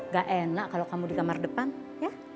gak enak kalau kamu di kamar depan ya